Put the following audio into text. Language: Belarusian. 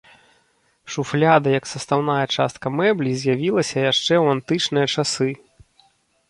Шуфляда як састаўная частка мэблі з'явілася яшчэ ў антычныя часы.